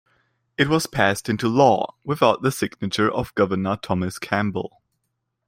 It was passed into law without the signature of Governor Thomas Campbell.